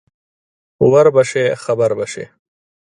ور به شې خبر به شې